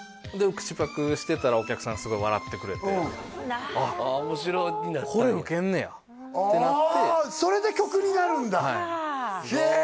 口パクしてたらお客さんがすごい笑ってくれてあっ面白になったんやこれウケんねやってなってああそれで曲になるんだへえ